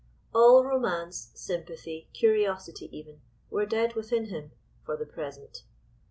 All romance, sympathy, curiosity even were dead within him for the present.